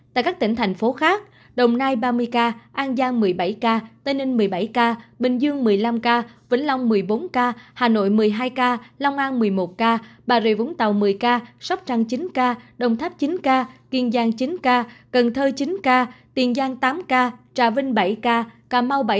tại các tỉnh thành phố khác